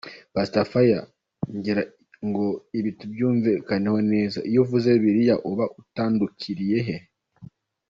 Pastor Fire: Ngira ngo ibi byo tubyumvikaneho neza, iyo uvuze Bibiliya uba utandukiriye.